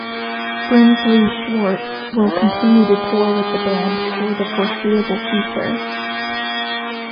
Brinsley Schwarz will continue to tour with the band for the foreseeable future.